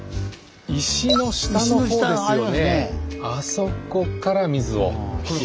石の下のほうですよね。